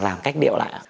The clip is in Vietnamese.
làm cách điệu lại ạ